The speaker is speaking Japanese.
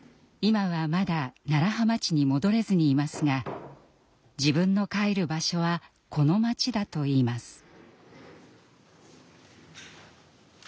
今はまだ楢葉町に戻れずにいますが自分の帰る場所はこの町だと言います。